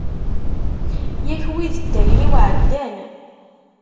Yak wid n tayri-w ɛeddan.